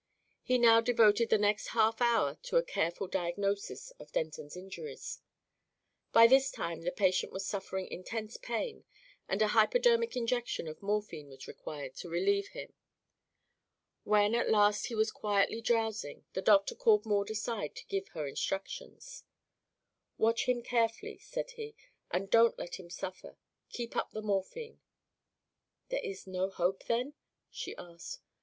He now devoted the next half hour to a careful diagnosis of Denton's injuries. By this time the patient was suffering intense pain and a hypodermic injection of morphine was required to relieve him. When at last he was quietly drowsing the doctor called Maud aside to give her instructions. "Watch him carefully," said he, "and don't let him suffer. Keep up the morphine." "There is no hope, then?" she asked.